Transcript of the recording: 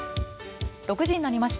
６時になりました。